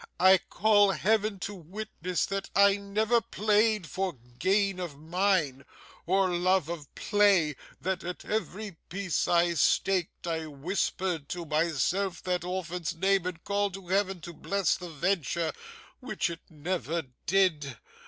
'I call Heaven to witness that I never played for gain of mine, or love of play; that at every piece I staked, I whispered to myself that orphan's name and called on Heaven to bless the venture; which it never did.